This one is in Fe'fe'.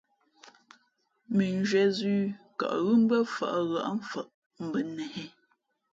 Mʉnzhwē zʉ̌,kαʼghʉ̄ mbʉ́ά fαʼ hα̌ʼmfαʼ mbα nēhē.